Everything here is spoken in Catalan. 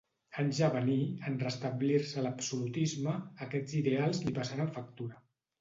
Anys a venir, en restablir-se l'absolutisme, aquests ideals li passaren factura.